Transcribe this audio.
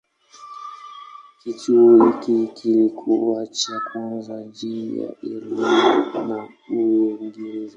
Kituo hiki kilikuwa cha kwanza nje ya Ireland na Uingereza.